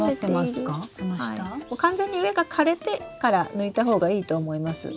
完全に上が枯れてから抜いた方がいいと思います。